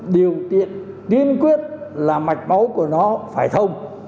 điều kiện tiên quyết là mạch máu của nó phải thông